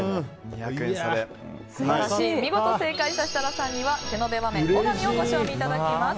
見事正解した設楽さんには手延和麺小神をご賞味いただきます。